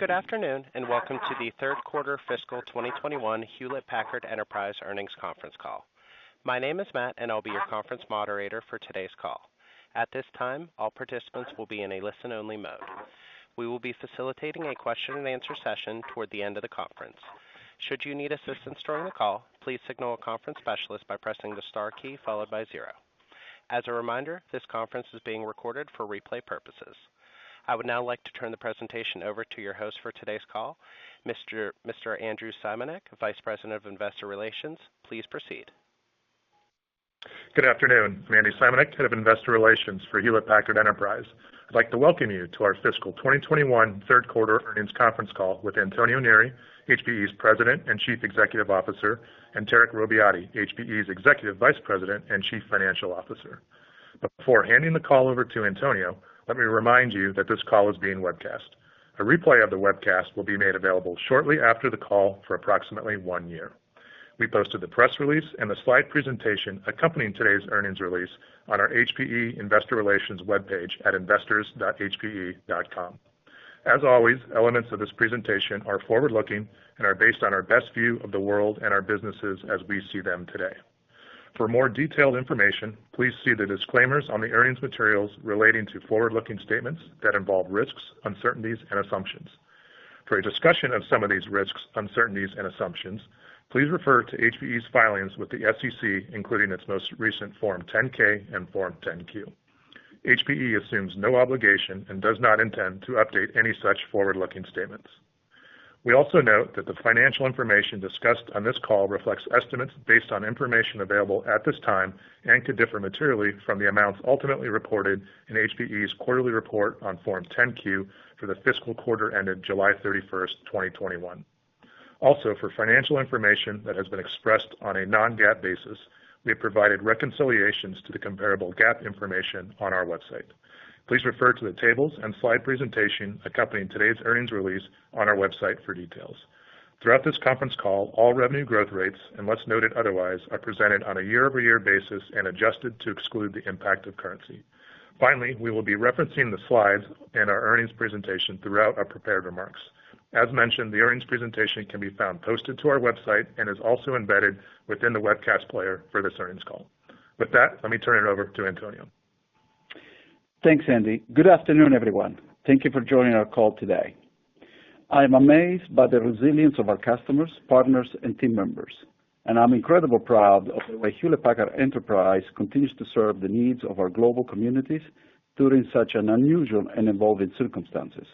Good afternoon, and welcome to the Third Quarter Fiscal 2021 Hewlett Packard Enterprise earnings conference call. My name is Matt, and I'll be your conference moderator for today's call. At this time, all participants will be in a listen-only mode. We will be facilitating a question and answer session toward the end of the conference. Should you need assistance during the call, please signal a conference specialist by pressing the star key followed by zero. As a reminder, this conference is being recorded for replay purposes. I would now like to turn the presentation over to your host for today's call, Mr. Andrew Simanek, Vice President of Investor Relations. Please proceed. Good afternoon. I'm Andy Simanek, Head of Investor Relations for Hewlett Packard Enterprise. I'd like to welcome you to our fiscal 2021 Third Quarter earnings conference call with Antonio Neri, HPE's President and Chief Executive Officer, and Tarek Robbiati, HPE's Executive Vice President and Chief Financial Officer. Before handing the call over to Antonio, let me remind you that this call is being webcast. A replay of the webcast will be made available shortly after the call for approximately one year. We posted the press release and the slide presentation accompanying today's earnings release on our HPE Investor Relations webpage at investors.hpe.com. As always, elements of this presentation are forward-looking and are based on our best view of the world and our businesses as we see them today. For more detailed information, please see the disclaimers on the earnings materials relating to forward-looking statements that involve risks, uncertainties, and assumptions. For a discussion of some of these risks, uncertainties, and assumptions, please refer to HPE's filings with the SEC, including its most recent Form 10-K and Form 10-Q. HPE assumes no obligation and does not intend to update any such forward-looking statements. We also note that the financial information discussed on this call reflects estimates based on information available at this time and could differ materially from the amounts ultimately reported in HPE's quarterly report on Form 10-Q for the fiscal quarter ended July 31st, 2021. Also, for financial information that has been expressed on a non-GAAP basis, we have provided reconciliations to the comparable GAAP information on our website. Please refer to the tables and slide presentation accompanying today's earnings release on our website for details. Throughout this conference call, all revenue growth rates, unless noted otherwise, are presented on a year-over-year basis and adjusted to exclude the impact of currency. Finally, we will be referencing the slides in our earnings presentation throughout our prepared remarks. As mentioned, the earnings presentation can be found posted to our website and is also embedded within the webcast player for this earnings call. With that, let me turn it over to Antonio. Thanks, Andy. Good afternoon, everyone. Thank you for joining our call today. I am amazed by the resilience of our customers, partners, and team members. I'm incredibly proud of the way Hewlett Packard Enterprise continues to serve the needs of our global communities during such unusual and evolving circumstances.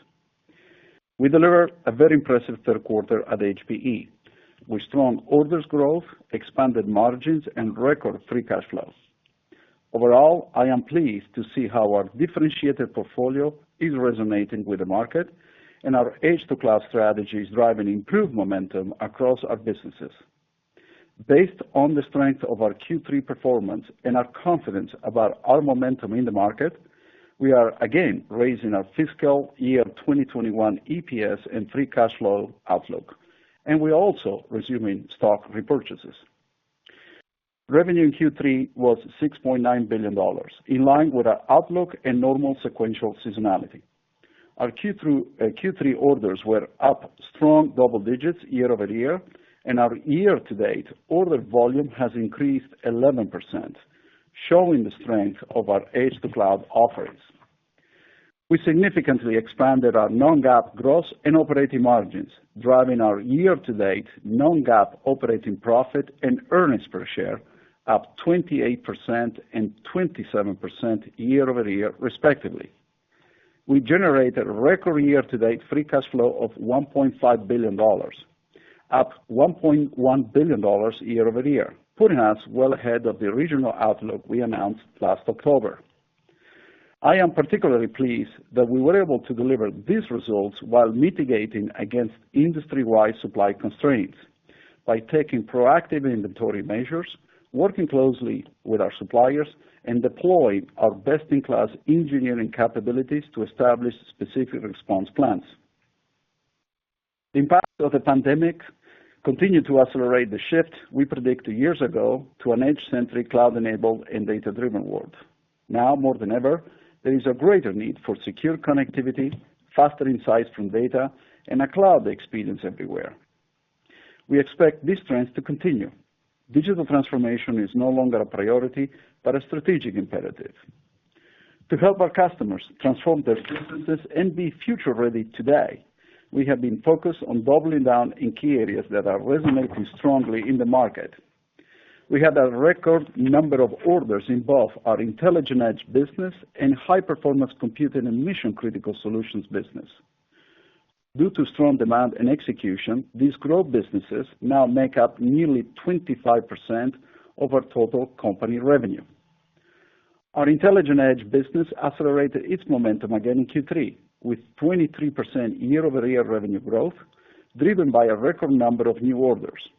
We delivered a very impressive third quarter at HPE, with strong orders growth, expanded margins, and record free cash flows. Overall, I am pleased to see how our differentiated portfolio is resonating with the market and our edge-to-cloud strategy is driving improved momentum across our businesses. Based on the strength of our Q3 performance and our confidence about our momentum in the market, we are again raising our fiscal year 2021 EPS and free cash flow outlook. We are also resuming stock repurchases. Revenue in Q3 was $6.9 billion, in line with our outlook and normal sequential seasonality. Our Q3 orders were up strong double digits year-over-year, and our year-to-date order volume has increased 11%, showing the strength of our edge-to-cloud offerings. We significantly expanded our non-GAAP gross and operating margins, driving our year-to-date non-GAAP operating profit and earnings per share up 28% and 27% year-over-year respectively. We generated record year-to-date free cash flow of $1.5 billion, up $1.1 billion year-over-year, putting us well ahead of the original outlook we announced last October. I am particularly pleased that we were able to deliver these results while mitigating against industry-wide supply constraints by taking proactive inventory measures, working closely with our suppliers, and deploying our best-in-class engineering capabilities to establish specific response plans. The impact of the pandemic continued to accelerate the shift we predicted years ago to an edge-centric, cloud-enabled, and data-driven world. Now more than ever, there is a greater need for secure connectivity, faster insights from data, and a cloud experience everywhere. We expect this trend to continue. Digital transformation is no longer a priority, but a strategic imperative. To help our customers transform their businesses and be future ready today, we have been focused on doubling down in key areas that are resonating strongly in the market. We had a record number of orders in both our Intelligent Edge business and High Performance Compute and Mission Critical Systems business. Due to strong demand and execution, these growth businesses now make up nearly 25% of our total company revenue. Our Intelligent Edge business accelerated its momentum again in Q3, with 23% year-over-year revenue growth driven by a record number of new orders.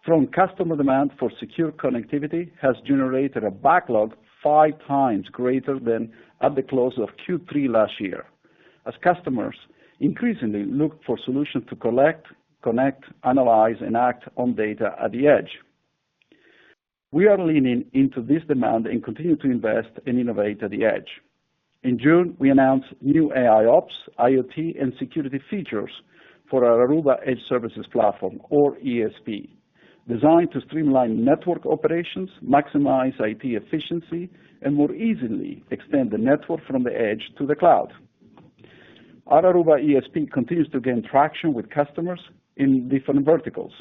Strong customer demand for secure connectivity has generated a backlog five times greater than at the close of Q3 last year as customers increasingly look for solutions to collect, connect, analyze, and act on data at the edge. We are leaning into this demand and continue to invest and innovate at the edge. In June, we announced new AIOps, IoT, and security features for our Aruba Edge Services Platform, or ESP, designed to streamline network operations, maximize IT efficiency, and more easily extend the network from the edge to the cloud. Our Aruba ESP continues to gain traction with customers in different verticals.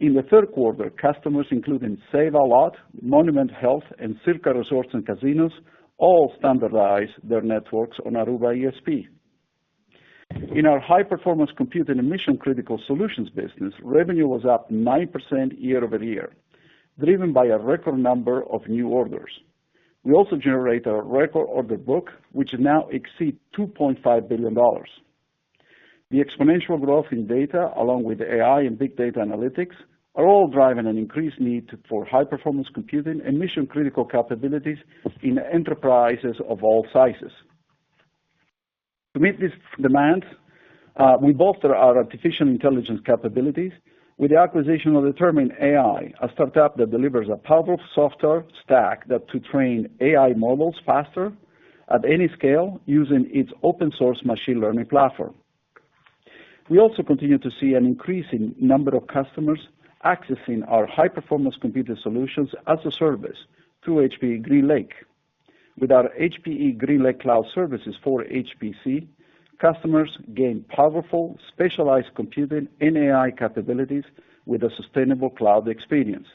In the third quarter, customers including Save A Lot, Monument Health, and Circa Resort and Casino, all standardized their networks on Aruba ESP. In our High-Performance Computing and Mission-Critical Solutions business, revenue was up 9% year-over-year, driven by a record number of new orders. We also generated a record order book, which now exceeds $2.5 billion. The exponential growth in data, along with AI and big data analytics, are all driving an increased need for high-performance computing and mission-critical capabilities in enterprises of all sizes. To meet these demands, we bolster our artificial intelligence capabilities with the acquisition of Determined AI, a startup that delivers a powerful software stack to train AI models faster at any scale using its open source machine learning platform. We also continue to see an increase in number of customers accessing our high-performance computer solutions as a service through HPE GreenLake. With our HPE GreenLake Cloud Services for HPC, customers gain powerful, specialized computing and AI capabilities with a sustainable cloud experience.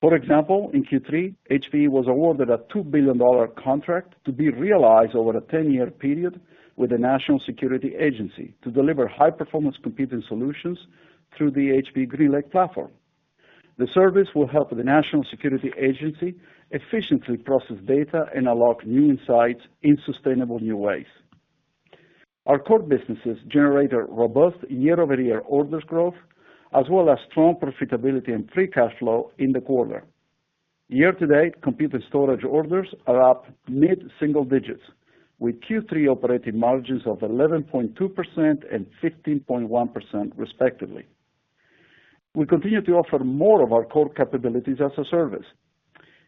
For example, in Q3, HPE was awarded a $2 billion contract to be realized over a 10-year period with the National Security Agency to deliver high-performance computing solutions through the HPE GreenLake platform. The service will help the National Security Agency efficiently process data and unlock new insights in sustainable new ways. Our core businesses generated robust year-over-year orders growth, as well as strong profitability and free cash flow in the quarter. Year to date, computer storage orders are up mid-single digits, with Q3 operating margins of 11.2% and 15.1% respectively. We continue to offer more of our core capabilities as a service.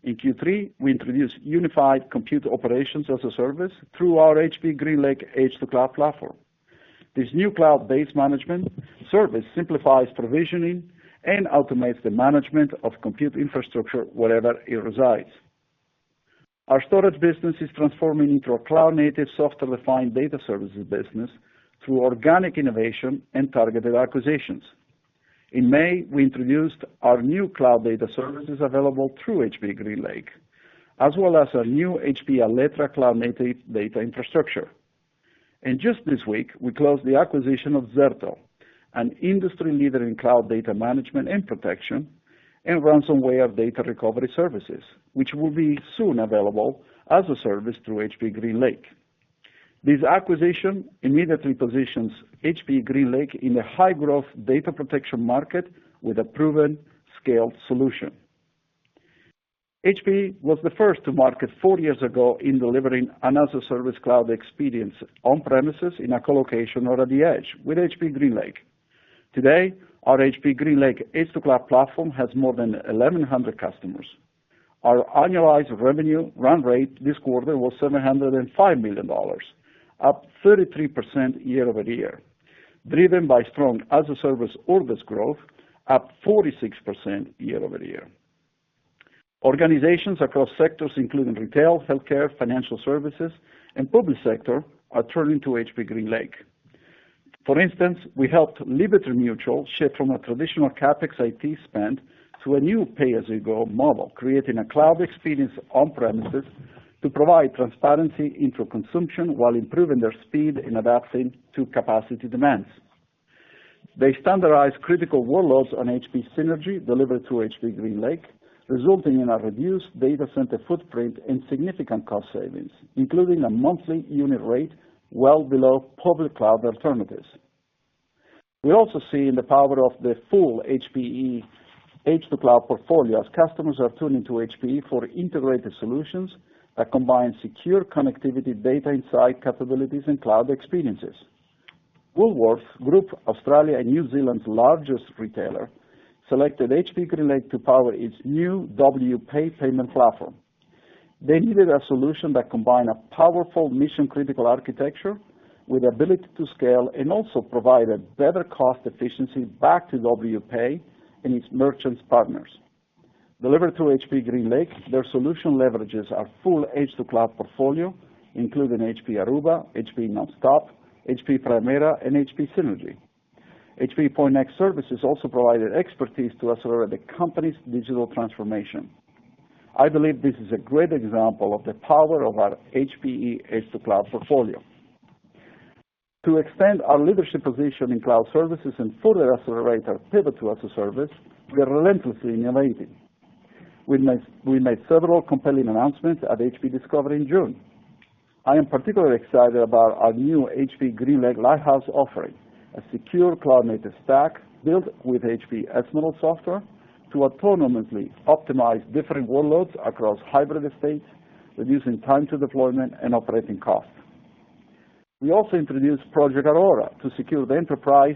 In Q3, we introduced unified compute operations as a service through our HPE GreenLake edge-to-cloud platform. This new cloud-based management service simplifies provisioning and automates the management of compute infrastructure wherever it resides. Our storage business is transforming into a cloud-native, software-defined data services business through organic innovation and targeted acquisitions. In May, we introduced our new cloud data services available through HPE GreenLake, as well as a new HPE Alletra cloud-native data infrastructure. Just this week, we closed the acquisition of Zerto, an industry leader in cloud data management and protection and ransomware data recovery services, which will be soon available as a service through HPE GreenLake. This acquisition immediately positions HPE GreenLake in the high-growth data protection market with a proven scaled solution. HPE was the first to market four years ago in delivering an as-a-service cloud experience on premises in a co-location or at the edge with HPE GreenLake. Today, our HPE GreenLake edge-to-cloud platform has more than 1,100 customers. Our annualized revenue run rate this quarter was $705 million, up 33% year-over-year, driven by strong as-a-service orders growth up 46% year-over-year. Organizations across sectors including retail, healthcare, financial services, and public sector are turning to HPE GreenLake. For instance, we helped Liberty Mutual shift from a traditional CapEx IT spend to a new pay-as-you-go model, creating a cloud experience on premises to provide transparency into consumption while improving their speed in adapting to capacity demands. They standardized critical workloads on HPE Synergy delivered through HPE GreenLake, resulting in a reduced data center footprint and significant cost savings, including a monthly unit rate well below public cloud alternatives. We also see the power of the full HPE edge-to-cloud portfolio as customers are turning to HPE for integrated solutions that combine secure connectivity, data insight capabilities, and cloud experiences. Woolworths Group, Australia and New Zealand's largest retailer, selected HPE GreenLake to power its new Wpay payment platform. They needed a solution that combined a powerful mission-critical architecture with ability to scale and also provide a better cost efficiency back to Wpay and its merchants partners. Delivered through HPE GreenLake, their solution leverages our full edge-to-cloud portfolio, including HPE Aruba, HPE NonStop, HPE Primera, and HPE Synergy. HPE Pointnext Services also provided expertise to accelerate the company's digital transformation. I believe this is a great example of the power of our HPE edge-to-cloud portfolio. To extend our leadership position in cloud services and further accelerate our pivot to as-a-service, we are relentlessly innovating. We made several compelling announcements at HPE Discover in June. I am particularly excited about our new HPE GreenLake Lighthouse offering, a secure cloud-native stack built with HPE Ezmeral software to autonomously optimize different workloads across hybrid estates, reducing time to deployment and operating costs. We also introduced Project Aurora to secure the enterprise.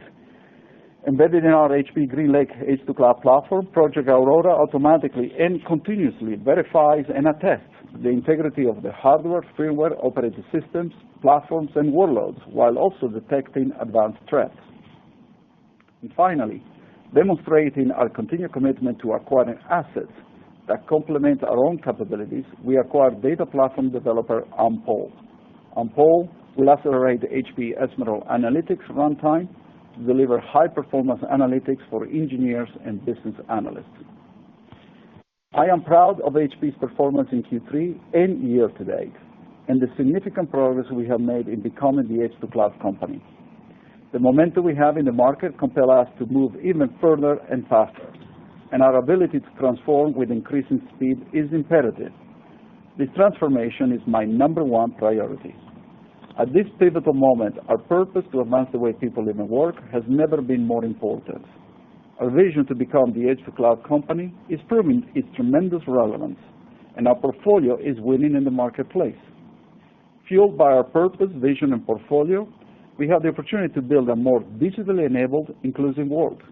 Embedded in our HPE GreenLake edge-to-cloud platform, Project Aurora automatically and continuously verifies and attests the integrity of the hardware, firmware, operating systems, platforms, and workloads, while also detecting advanced threats. Finally, demonstrating our continued commitment to acquiring assets that complement our own capabilities, we acquired data platform developer Ampool. Ampool will accelerate the HPE Ezmeral analytics runtime to deliver high-performance analytics for engineers and business analysts. I am proud of HPE's performance in Q3 and year to date, and the significant progress we have made in becoming the edge-to-cloud company. The momentum we have in the market compels us to move even further and faster, and our ability to transform with increasing speed is imperative. This transformation is my number one priority. At this pivotal moment, our purpose to advance the way people live and work has never been more important. Our vision to become the edge-to-cloud company is proving its tremendous relevance, and our portfolio is winning in the marketplace. Fueled by our purpose, vision, and portfolio, we have the opportunity to build a more digitally enabled, inclusive world.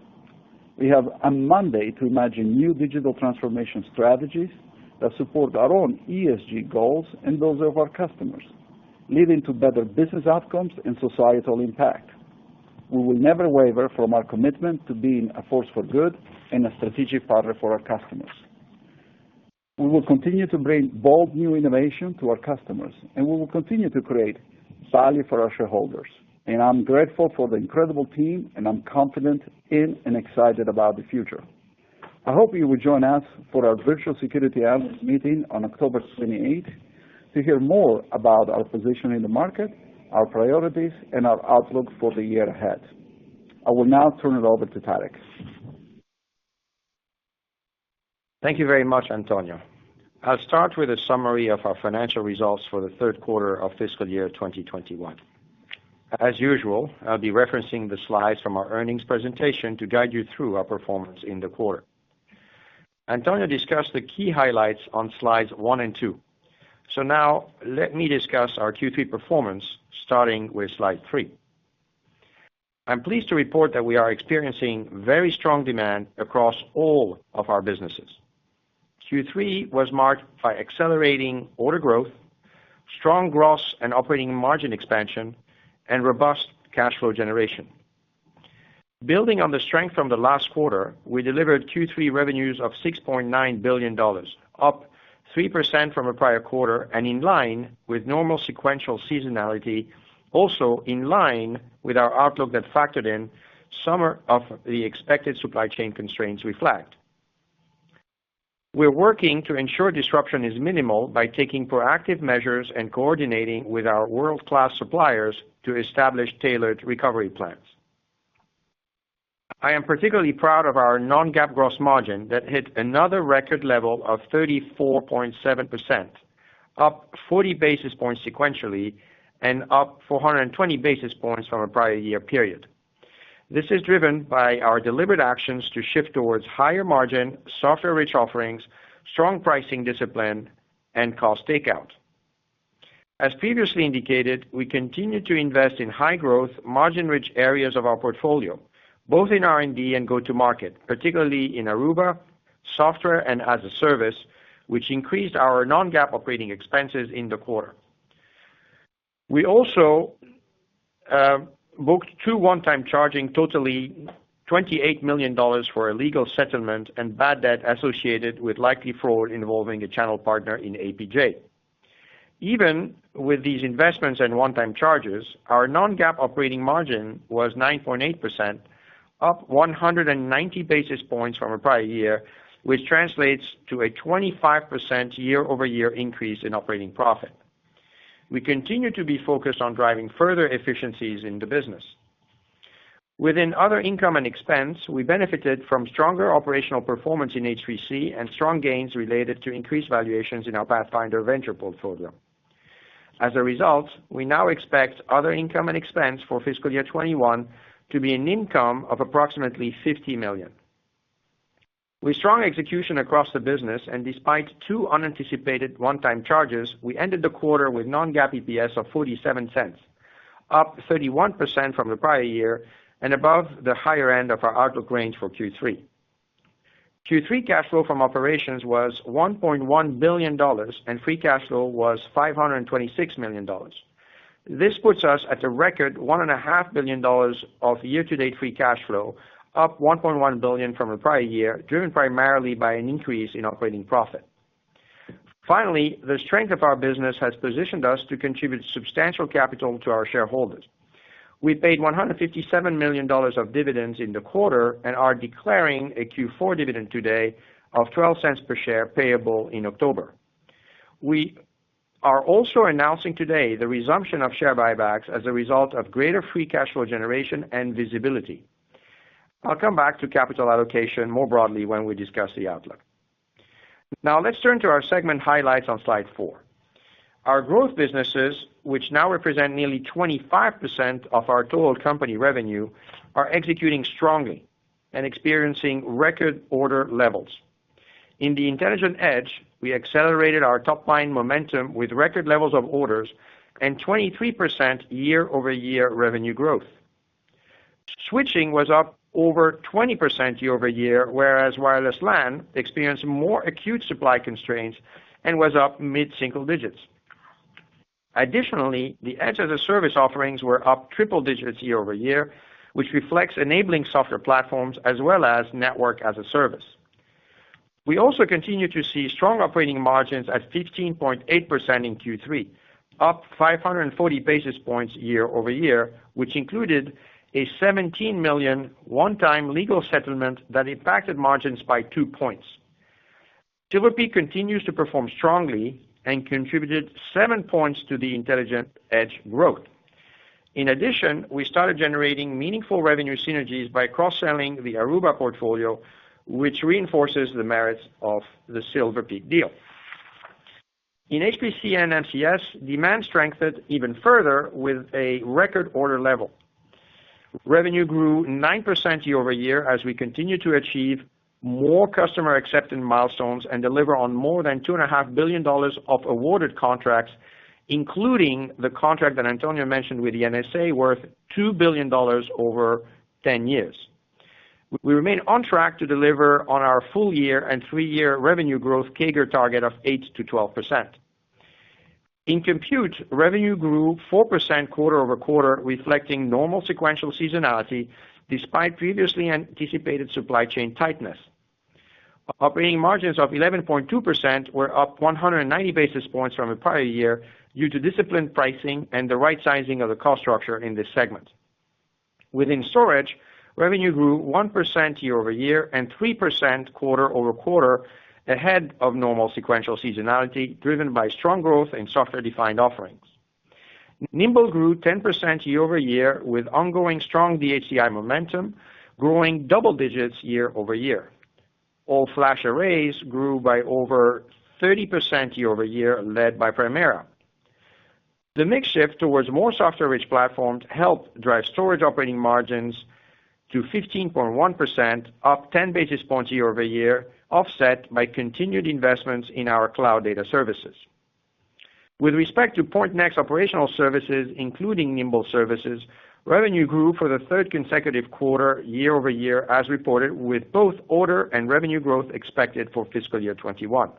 We have a mandate to imagine new digital transformation strategies that support our own ESG goals and those of our customers, leading to better business outcomes and societal impact. We will never waver from our commitment to being a force for good and a strategic partner for our customers. We will continue to bring bold, new innovation to our customers, and we will continue to create value for our shareholders. I'm grateful for the incredible team, and I'm confident in and excited about the future. I hope you will join us for our virtual Securities Analyst Meeting on October 28th to hear more about our position in the market, our priorities, and our outlook for the year ahead. I will now turn it over to Tarek. Thank you very much, Antonio. I'll start with a summary of our financial results for the third quarter of fiscal year 2021. As usual, I'll be referencing the slides from our earnings presentation to guide you through our performance in the quarter. Antonio discussed the key highlights on slides one and two. Now let me discuss our Q3 performance, starting with slide three. I'm pleased to report that we are experiencing very strong demand across all of our businesses. Q3 was marked by accelerating order growth, strong gross and operating margin expansion, and robust cash flow generation. Building on the strength from the last quarter, we delivered Q3 revenues of $6.9 billion, up 3% from the prior quarter, and in line with normal sequential seasonality, also in line with our outlook that factored in some of the expected supply chain constraints we flagged. We're working to ensure disruption is minimal by taking proactive measures and coordinating with our world-class suppliers to establish tailored recovery plans. I am particularly proud of our non-GAAP gross margin that hit another record level of 34.7%, up 40 basis points sequentially and up 420 basis points from a prior year period. This is driven by our deliberate actions to shift towards higher margin, software-rich offerings, strong pricing discipline, and cost takeout. As previously indicated, we continue to invest in high growth, margin-rich areas of our portfolio, both in R&D and go-to-market, particularly in Aruba, software, and as-a-service, which increased our non-GAAP operating expenses in the quarter. We also booked two one-time charges totaling $28 million for a legal settlement and bad debt associated with likely fraud involving a channel partner in APJ. Even with these investments and one-time charges, our non-GAAP operating margin was 9.8%, up 190 basis points from the prior year, which translates to a 25% year-over-year increase in operating profit. We continue to be focused on driving further efficiencies in the business. Within other income and expense, we benefited from stronger operational performance in H3C and strong gains related to increased valuations in our Pathfinder venture portfolio. As a result, we now expect other income and expense for fiscal year 2021 to be an income of approximately $50 million. With strong execution across the business and despite two unanticipated one-time charges, we ended the quarter with non-GAAP EPS of $0.47, up 31% from the prior year and above the higher end of our outlook range for Q3. Q3 cash flow from operations was $1.1 billion, and free cash flow was $526 million. This puts us at a record $1.5 billion of year-to-date free cash flow, up $1.1 billion from the prior year, driven primarily by an increase in operating profit. The strength of our business has positioned us to contribute substantial capital to our shareholders. We paid $157 million of dividends in the quarter and are declaring a Q4 dividend today of $0.12 per share payable in October. We are also announcing today the resumption of share buybacks as a result of greater free cash flow generation and visibility. I'll come back to capital allocation more broadly when we discuss the outlook. Let's turn to our segment highlights on slide four. Our growth businesses, which now represent nearly 25% of our total company revenue, are executing strongly and experiencing record order levels. In the Intelligent Edge, we accelerated our top-line momentum with record levels of orders and 23% year-over-year revenue growth. Switching was up 20% year-over-year, whereas wireless LAN experienced more acute supply constraints and was up mid-single digits. Additionally, the edge of the service offerings were up triple digits year-over-year, which reflects enabling software platforms as well as network as a service. We also continue to see strong operating margins at 15.8% in Q3, up 540 basis points year-over-year, which included a $17 million one-time legal settlement that impacted margins by two points. Silver Peak continues to perform strongly and contributed seven points to the Intelligent Edge growth. In addition, we started generating meaningful revenue synergies by cross-selling the Aruba portfolio, which reinforces the merits of the Silver Peak deal. In HPC & MCS, demand strengthened even further with a record order level. Revenue grew 9% year-over-year as we continue to achieve more customer acceptance milestones and deliver on more than $2.5 billion of awarded contracts, including the contract that Antonio mentioned with the NSA, worth $2 billion over 10 years. We remain on track to deliver on our full year and three-year revenue growth CAGR target of 8%-12%. In Compute, revenue grew 4% quarter-over-quarter, reflecting normal sequential seasonality despite previously anticipated supply chain tightness. Operating margins of 11.2% were up 190 basis points from the prior year due to disciplined pricing and the right sizing of the cost structure in this segment. Within Storage, revenue grew 1% year-over-year and 3% quarter-over-quarter, ahead of normal sequential seasonality, driven by strong growth in software-defined offerings. Nimble grew 10% year-over-year with ongoing strong DHCI momentum, growing double digits year-over-year. All-Flash Arrays grew by over 30% year-over-year, led by Primera. The mix shift towards more software-rich platforms helped drive storage operating margins to 15.1%, up 10 basis points year-over-year, offset by continued investments in our cloud data services. With respect to Pointnext Operational Services, including Nimble services, revenue grew for the third consecutive quarter year-over-year, as reported, with both order and revenue growth expected for fiscal year 2021.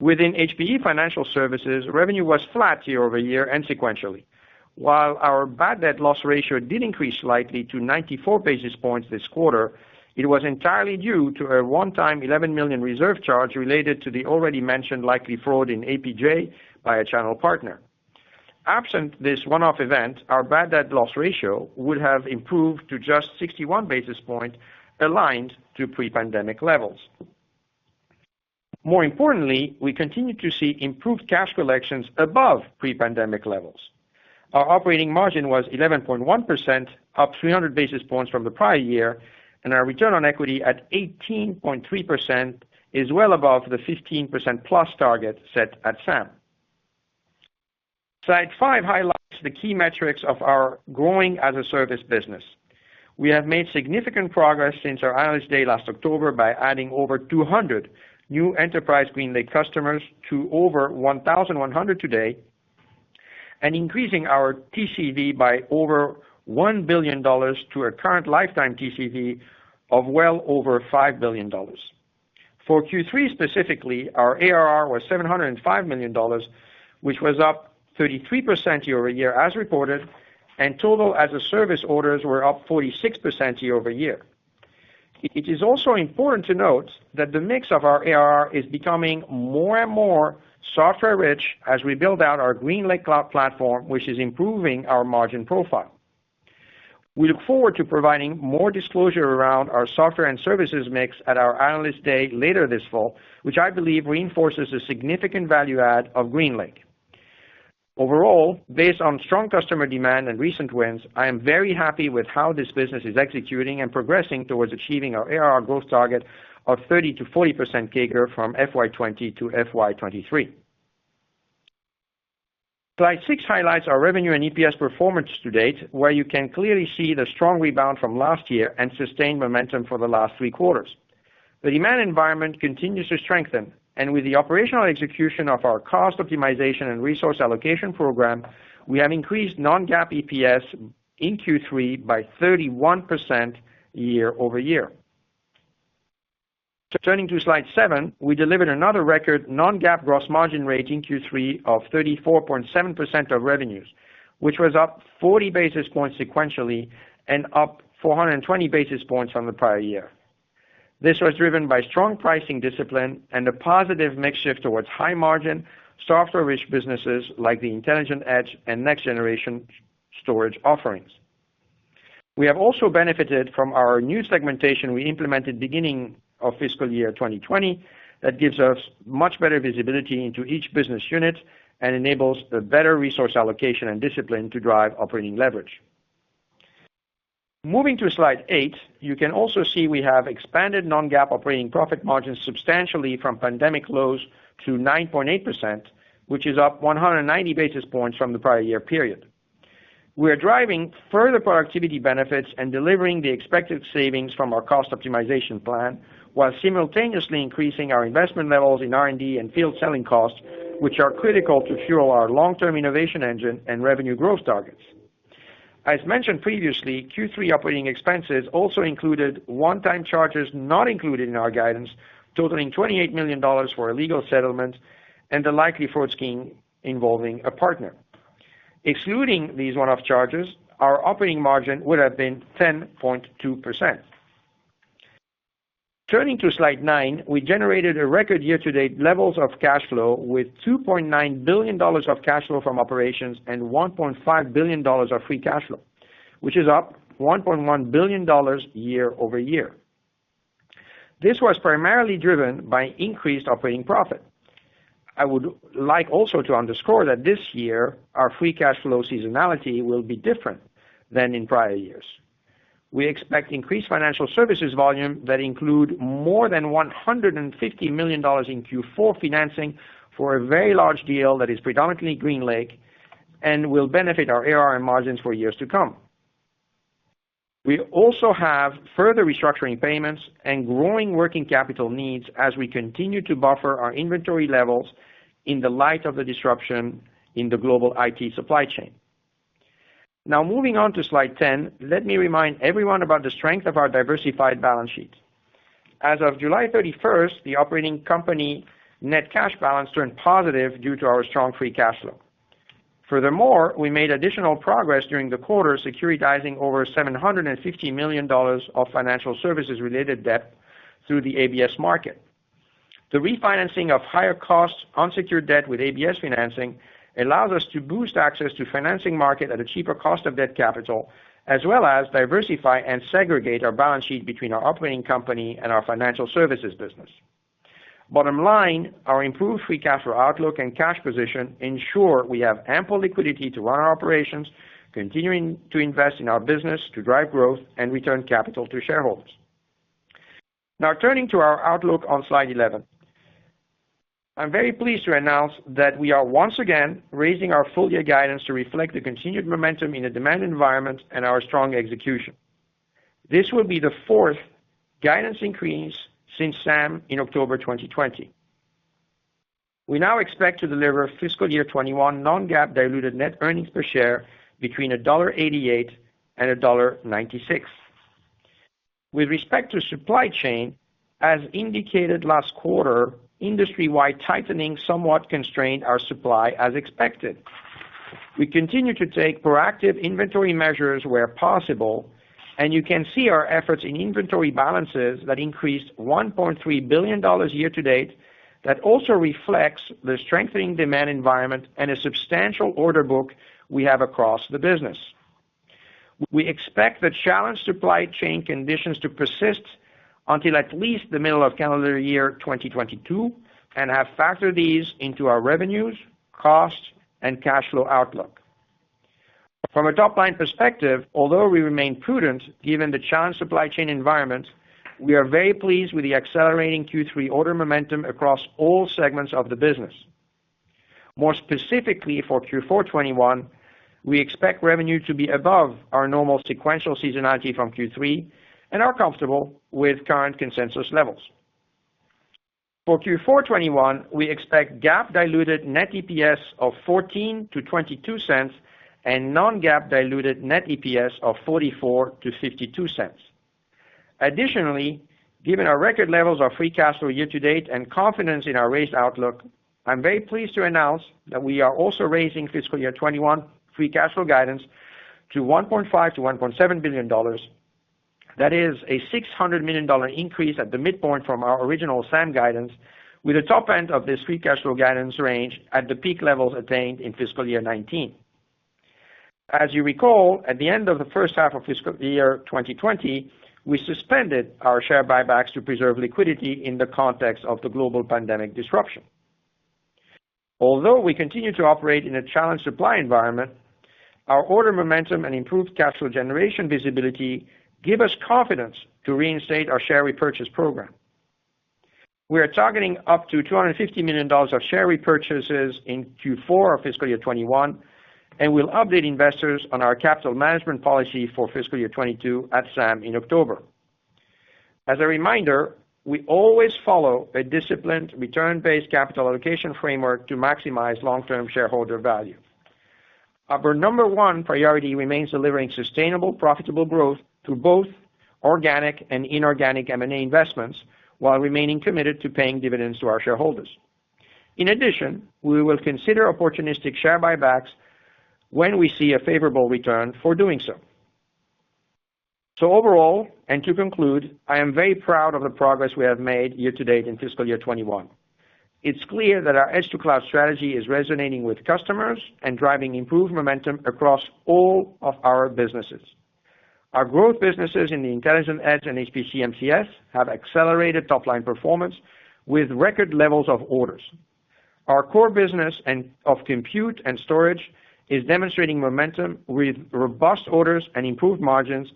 Within HPE Financial Services, revenue was flat year-over-year and sequentially. While our bad debt loss ratio did increase slightly to 94 basis points this quarter, it was entirely due to a one-time $11 million reserve charge related to the already mentioned likely fraud in APJ by a channel partner. Absent this one-off event, our bad debt loss ratio would have improved to just 61 basis points, aligned to pre-pandemic levels. More importantly, we continue to see improved cash collections above pre-pandemic levels. Our operating margin was 11.1%, up 300 basis points from the prior year, and our return on equity at 18.3% is well above the 15% plus target set at SAM. Slide five highlights the key metrics of our growing as-a-service business. We have made significant progress since our Analyst Day last October by adding over 200 new enterprise HPE GreenLake customers to over 1,100 today and increasing our TCV by over $1 billion to a current lifetime TCV of well over $5 billion. For Q3 specifically, our ARR was $705 million, which was up 33% year-over-year as reported, and total as-a-service orders were up 46% year-over-year. It is also important to note that the mix of our ARR is becoming more and more software rich as we build out our HPE GreenLake cloud platform, which is improving our margin profile. We look forward to providing more disclosure around our software and services mix at our Analyst Day later this fall, which I believe reinforces the significant value add of HPE GreenLake. Overall, based on strong customer demand and recent wins, I am very happy with how this business is executing and progressing towards achieving our ARR growth target of 30%-40% CAGR from FY 2020 to FY 2023. Slide six highlights our revenue and EPS performance to date, where you can clearly see the strong rebound from last year and sustained momentum for the last three quarters. The demand environment continues to strengthen, with the operational execution of our cost optimization and resource allocation program, we have increased non-GAAP EPS in Q3 by 31% year-over-year. Turning to slide seven, we delivered another record non-GAAP gross margin rate in Q3 of 34.7% of revenues, which was up 40 basis points sequentially and up 420 basis points from the prior year. This was driven by strong pricing discipline and a positive mix shift towards high margin, software-rich businesses like the Intelligent Edge and next generation storage offerings. We have also benefited from our new segmentation we implemented beginning of fiscal year 2020 that gives us much better visibility into each business unit and enables a better resource allocation and discipline to drive operating leverage. Moving to slide eight, you can also see we have expanded non-GAAP operating profit margins substantially from pandemic lows to 9.8%, which is up 190 basis points from the prior year period. We are driving further productivity benefits and delivering the expected savings from our cost optimization plan, while simultaneously increasing our investment levels in R&D and field selling costs, which are critical to fuel our long-term innovation engine and revenue growth targets. As mentioned previously, Q3 operating expenses also included one-time charges not included in our guidance, totaling $28 million for a legal settlement and a likely fraud scheme involving a partner. Excluding these one-off charges, our operating margin would have been 10.2%. Turning to slide nine, we generated a record year-to-date levels of cash flow, with $2.9 billion of cash flow from operations and $1.5 billion of free cash flow, which is up $1.1 billion year-over-year. This was primarily driven by increased operating profit. I would like also to underscore that this year, our free cash flow seasonality will be different than in prior years. We expect increased Financial Services volume that include more than $150 million in Q4 financing for a very large deal that is predominantly GreenLake, and will benefit our ARR margins for years to come. We also have further restructuring payments and growing working capital needs as we continue to buffer our inventory levels in the light of the disruption in the global IT supply chain. Moving on to slide 10, let me remind everyone about the strength of our diversified balance sheet. As of July 31st, the operating company net cash balance turned positive due to our strong free cash flow. We made additional progress during the quarter, securitizing over $750 million of financial services-related debt through the ABS market. The refinancing of higher costs unsecured debt with ABS financing allows us to boost access to financing market at a cheaper cost of debt capital, as well as diversify and segregate our balance sheet between our operating company and our financial services business. Our improved free cash flow outlook and cash position ensure we have ample liquidity to run our operations, continuing to invest in our business to drive growth and return capital to shareholders. Turning to our outlook on slide 11. I'm very pleased to announce that we are once again raising our full year guidance to reflect the continued momentum in the demand environment and our strong execution. This will be the fourth guidance increase since SAM in October 2020. We now expect to deliver fiscal year 2021 non-GAAP diluted net earnings per share between $1.88 and $1.96. With respect to supply chain, as indicated last quarter, industry-wide tightening somewhat constrained our supply as expected. We continue to take proactive inventory measures where possible, and you can see our efforts in inventory balances that increased $1.3 billion year to date. That also reflects the strengthening demand environment and a substantial order book we have across the business. We expect the challenged supply chain conditions to persist until at least the middle of calendar year 2022 and have factored these into our revenues, costs, and cash flow outlook. From a top-line perspective, although we remain prudent given the challenged supply chain environment, we are very pleased with the accelerating Q3 order momentum across all segments of the business. More specifically for Q4 2021, we expect revenue to be above our normal sequential seasonality from Q3 and are comfortable with current consensus levels. For Q4 2021, we expect GAAP diluted net EPS of $0.14-$0.22 and non-GAAP diluted net EPS of $0.44-$0.52. Additionally, given our record levels of free cash flow year to date and confidence in our raised outlook, I'm very pleased to announce that we are also raising fiscal year 2021 free cash flow guidance to $1.5 billion-$1.7 billion. That is a $600 million increase at the midpoint from our original SAM guidance, with the top end of this free cash flow guidance range at the peak levels attained in fiscal year 2019. As you recall, at the end of the first half of fiscal year 2020, we suspended our share buybacks to preserve liquidity in the context of the global pandemic disruption. Although we continue to operate in a challenged supply environment, our order momentum and improved cash flow generation visibility give us confidence to reinstate our share repurchase program. We are targeting up to $250 million of share repurchases in Q4 of fiscal year 2021, and we will update investors on our capital management policy for fiscal year 2022 at SAM in October. As a reminder, we always follow a disciplined return-based capital allocation framework to maximize long-term shareholder value. Our number one priority remains delivering sustainable, profitable growth through both organic and inorganic M&A investments while remaining committed to paying dividends to our shareholders. In addition, we will consider opportunistic share buybacks when we see a favorable return for doing so. Overall, and to conclude, I am very proud of the progress we have made year to date in fiscal year 2021. It's clear that our edge-to-cloud strategy is resonating with customers and driving improved momentum across all of our businesses. Our growth businesses in the Intelligent Edge and HPC MCS have accelerated top-line performance with record levels of orders. Our core business of compute and storage is demonstrating momentum with robust orders and improved margins,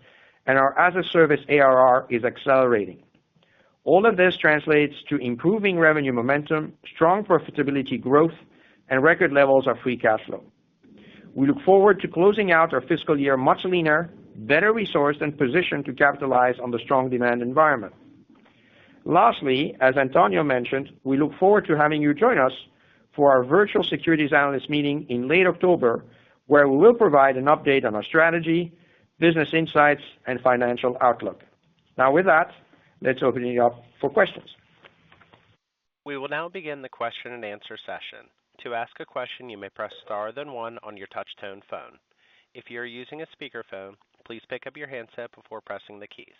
and our as-a-service ARR is accelerating. All of this translates to improving revenue momentum, strong profitability growth, and record levels of free cash flow. We look forward to closing out our fiscal year much leaner, better resourced, and positioned to capitalize on the strong demand environment. Lastly, as Antonio mentioned, we look forward to having you join us for our virtual securities analyst meeting in late October, where we will provide an update on our strategy, business insights, and financial outlook. With that, let's open it up for questions. We will now begin the question and answer session. To ask a question, you may press star, then one on your touch-tone phone. If you are using a speakerphone, please pick up your handset before pressing the keys.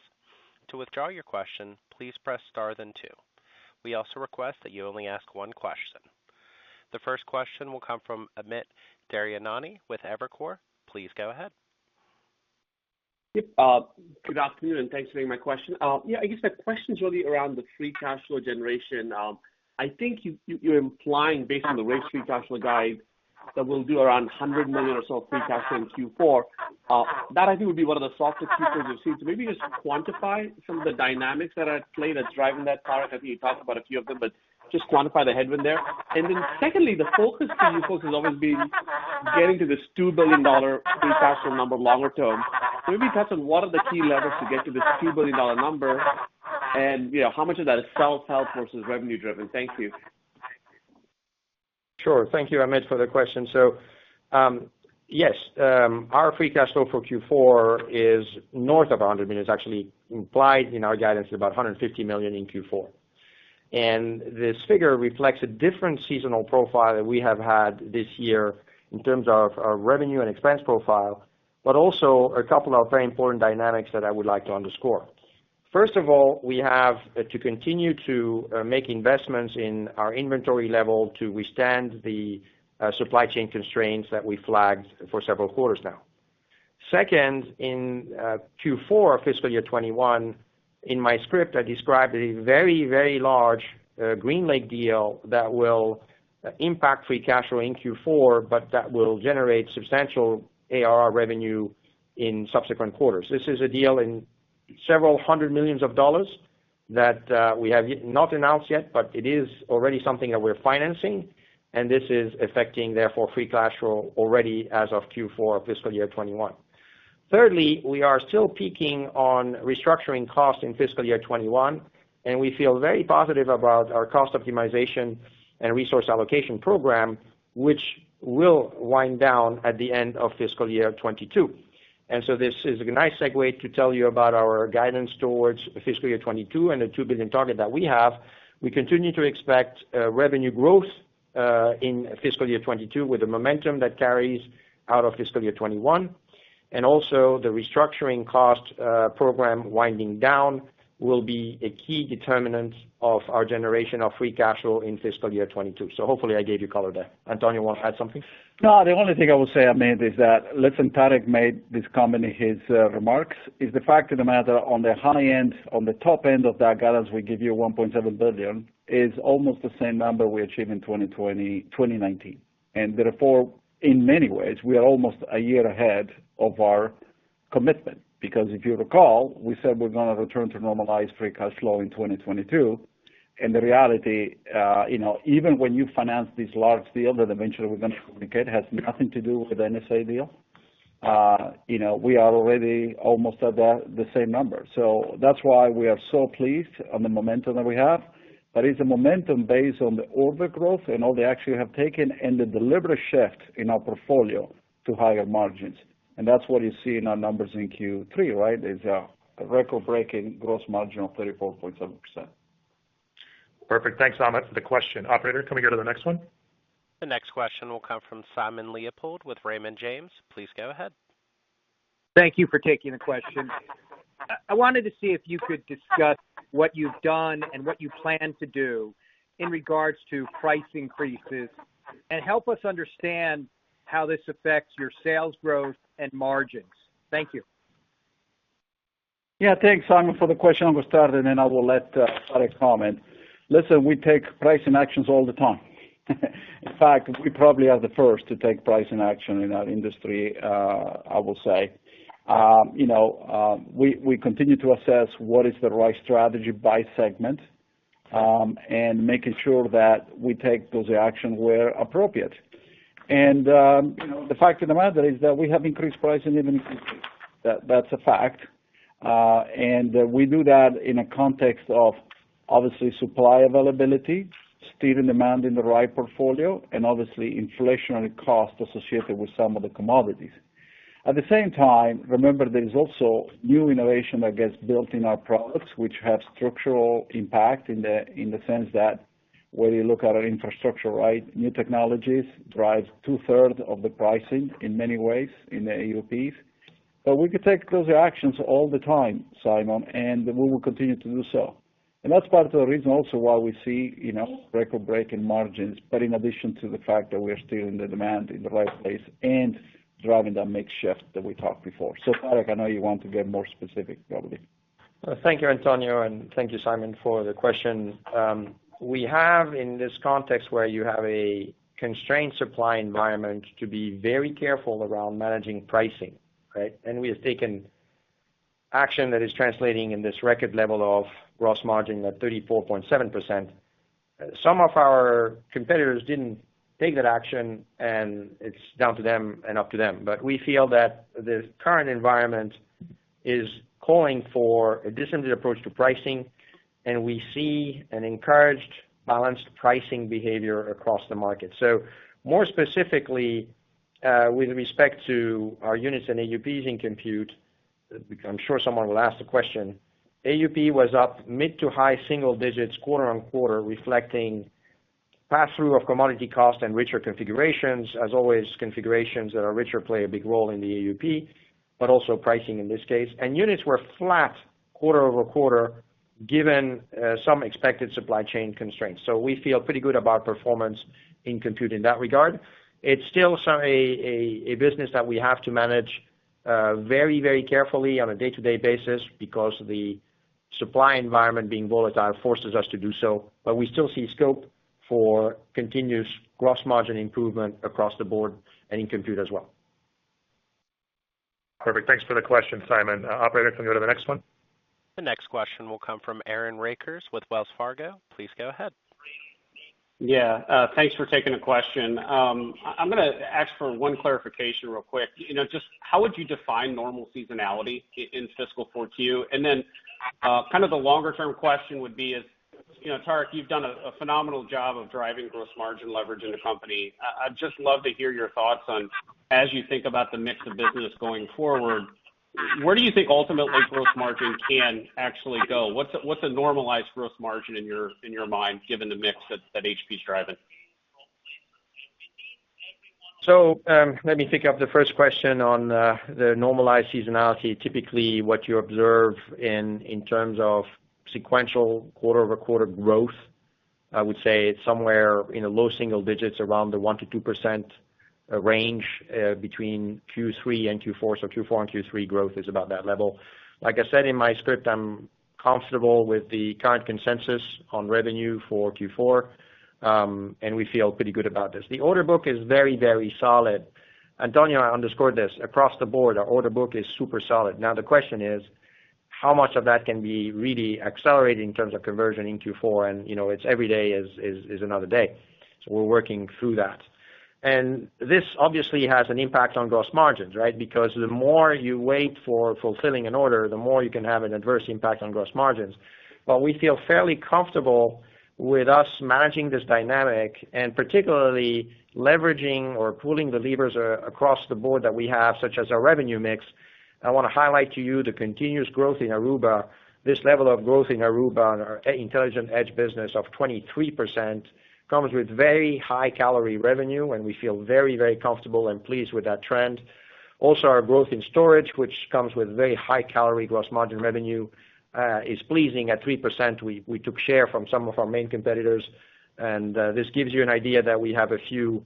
To withdraw your question, please press star then two. We also request that you only ask one question. The first question will come from Amit Daryanani with Evercore. Please go ahead. Yep. Good afternoon, and thanks for taking my question. Yeah, I guess my question is really around the free cash flow generation. I think you're implying, based on the free cash flow guide, that we'll do around $100 million or so of free cash flow in Q4. That, I think, would be one of the softer Q4s we've seen. Maybe just quantify some of the dynamics that are at play that's driving that car. I know you talked about a few of them, but just quantify the headwind there. Secondly, the focus for you folks has always been getting to this $2 billion free cash flow number longer term. Maybe touch on what are the key levers to get to this $2 billion number, and how much of that is sell self versus revenue driven. Thank you. Thank you, Amit, for the question. Yes, our free cash flow for Q4 is north of $100 million. It's actually implied in our guidance at about $150 million in Q4. This figure reflects a different seasonal profile that we have had this year in terms of our revenue and expense profile, but also a couple of very important dynamics that I would like to underscore. First of all, we have to continue to make investments in our inventory level to withstand the supply chain constraints that we flagged for several quarters now. Second, in Q4 fiscal year 2021, in my script, I described a very large GreenLake deal that will impact free cash flow in Q4, but that will generate substantial ARR revenue in subsequent quarters. This is a deal in several hundred million dollars that we have not announced yet, but it is already something that we're financing, and this is affecting, therefore, free cash flow already as of Q4 fiscal year 2021. Thirdly, we are still peaking on restructuring costs in fiscal year 2021, and we feel very positive about our cost optimization and resource allocation program, which will wind down at the end of fiscal year 2022. This is a nice segue to tell you about our guidance towards fiscal year 2022 and the $2 billion target that we have. We continue to expect revenue growth in fiscal year 2022 with the momentum that carries out of fiscal year 2021. Also the restructuring cost program winding down will be a key determinant of our generation of free cash flow in fiscal year 2022. Hopefully I gave you color there. Antonio, you want to add something? The only thing I will say, Amit, is that, listen, Tarek made this comment in his remarks, is the fact of the matter, on the high end, on the top end of that guidance, we give you $1.7 billion, is almost the same number we achieved in 2020, 2019. Therefore, in many ways, we are almost a year ahead of our commitment. Because if you recall, we said we're going to return to normalized free cash flow in 2022. The reality, even when you finance this large deal that eventually we're going to communicate, has nothing to do with the NSA deal. We are already almost at the same number. That's why we are so pleased on the momentum that we have. That is a momentum based on the order growth and all they actually have taken, the deliberate shift in our portfolio to higher margins. That's what you see in our numbers in Q3, right, is a record-breaking gross margin of 34.7%. Perfect. Thanks, Amit, for the question. Operator, can we go to the next one? The next question will come from Simon Leopold with Raymond James. Please go ahead. Thank you for taking the question. I wanted to see if you could discuss what you've done and what you plan to do in regards to price increases, and help us understand how this affects your sales growth and margins. Thank you. Yeah. Thanks, Simon, for the question. I will start, and then I will let Tarek comment. Listen, we take pricing actions all the time. In fact, we probably are the first to take pricing action in our industry, I will say. We continue to assess what is the right strategy by segment, and making sure that we take those actions where appropriate. The fact of the matter is that we have increased pricing even in Q3. That's a fact. We do that in a context of, obviously, supply availability, steering demand in the right portfolio, and obviously inflationary cost associated with some of the commodities. At the same time, remember, there is also new innovation that gets built in our products, which have structural impact in the sense that when you look at our infrastructure, new technologies drive 2/3 of the pricing in many ways in the AUPs. We could take those actions all the time, Simon, and we will continue to do so. That's part of the reason also why we see record-breaking margins, but in addition to the fact that we are steering the demand in the right place and driving that mix shift that we talked before. Tarek, I know you want to get more specific, probably. Thank you, Antonio, and thank you, Simon, for the question. We have, in this context where you have a constrained supply environment, to be very careful around managing pricing, right? We have taken action that is translating in this record level of gross margin at 34.7%. Some of our competitors didn't take that action, and it's down to them and up to them. We feel that the current environment is calling for a different approach to pricing, and we see an encouraged, balanced pricing behavior across the market. More specifically, with respect to our units and AUPs in Compute, because I'm sure someone will ask the question, AUP was up mid to high single digits quarter-on-quarter, reflecting pass-through of commodity cost and richer configurations. As always, configurations that are richer play a big role in the AUP, but also pricing in this case. Units were flat quarter-over-quarter given some expected supply chain constraints. We feel pretty good about performance in Compute in that regard. It's still a business that we have to manage very carefully on a day-to-day basis because the supply environment being volatile forces us to do so. We still see scope for continuous gross margin improvement across the board and in Compute as well. Perfect. Thanks for the question, Simon. Operator, can we go to the next one? The next question will come from Aaron Rakers with Wells Fargo. Please go ahead. Yeah. Thanks for taking the question. I'm going to ask for one clarification real quick. Just how would you define normal seasonality in fiscal 4Q? The longer-term question would be is, Tarek, you've done a phenomenal job of driving gross margin leverage in the company. I'd just love to hear your thoughts on, as you think about the mix of business going forward, where do you think ultimately gross margin can actually go? What's a normalized gross margin in your mind, given the mix that HPE's driving? Let me pick up the first question on the normalized seasonality. Typically, what you observe in terms of sequential quarter-over-quarter growth, I would say it's somewhere in the low single digits, around the 1%-2% range between Q3 and Q4. Q4 and Q3 growth is about that level. Like I said in my script, I'm comfortable with the current consensus on revenue for Q4, and we feel pretty good about this. The order book is very solid. Antonio underscored this. Across the board, our order book is super solid. Now, the question is, how much of that can be really accelerated in terms of conversion in Q4? It's every day is another day. We're working through that. This obviously has an impact on gross margins, right? The more you wait for fulfilling an order, the more you can have an adverse impact on gross margins. We feel fairly comfortable with us managing this dynamic, and particularly leveraging or pulling the levers across the board that we have, such as our revenue mix. I want to highlight to you the continuous growth in Aruba. This level of growth in Aruba on our Intelligent Edge business of 23% comes with very high-calorie revenue, and we feel very comfortable and pleased with that trend. Our growth in storage, which comes with very high-calorie gross margin revenue, is pleasing. At 3%, we took share from some of our main competitors, and this gives you an idea that we have a few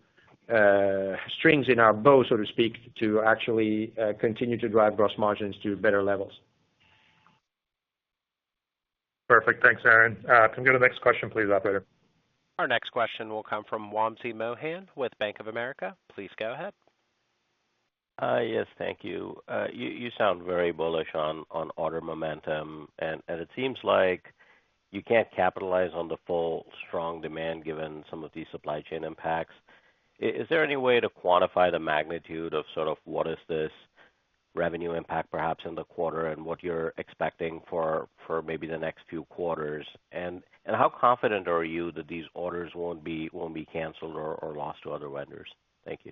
strings in our bow, so to speak, to actually continue to drive gross margins to better levels. Perfect. Thanks, Aaron. Can we go to the next question, please, operator? Our next question will come from Wamsi Mohan with Bank of America. Please go ahead. Yes. Thank you. You sound very bullish on order momentum, and it seems like you can't capitalize on the full, strong demand given some of these supply chain impacts. Is there any way to quantify the magnitude of what is this revenue impact, perhaps in the quarter, and what you're expecting for maybe the next few quarters? How confident are you that these orders won't be canceled or lost to other vendors? Thank you.